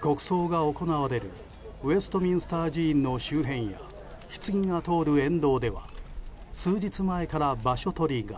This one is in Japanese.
国葬が行われるウェストミンスター寺院の周辺やひつぎが通る沿道では数日前から場所取りが。